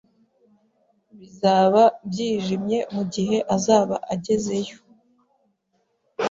Bizaba byijimye mugihe azaba agezeyo.